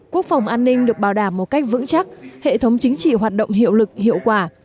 quốc phòng an ninh được bảo đảm một cách vững chắc hệ thống chính trị hoạt động hiệu lực hiệu quả